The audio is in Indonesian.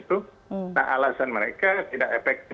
nah alasan mereka tidak efektif